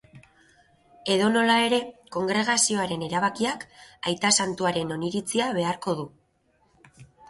Edonola ere, kongregazioaren erabakiak aita santuaren oniritzia beharko du.